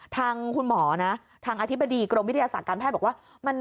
ทางคุณหมอนะทางอธิบดีกรมวิทยาศาสตร์การแพทย์บอกว่า